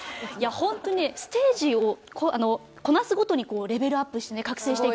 ホントにステージをこなすごとにレベルアップして覚醒していくんですよね。